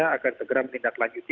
mereka akan segera menindaklanjuti